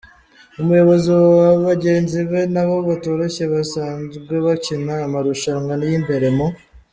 umuyobozi wa bagenzi be nabo batoroshye basanzwe bakina amarushanwa y’imbere mu